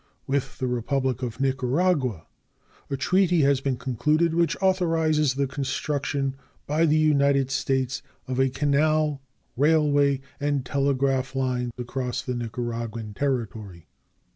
With the Republic of Nicaragua a treaty has been concluded which authorizes the construction by the United States of a canal, railway, and telegraph line across the Nicaraguan territory.